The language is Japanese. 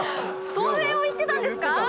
それを言ってたんですか？